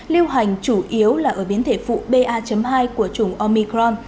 lưu hành chủ yếu là ở biến thể phụ ba hai của chủng omicron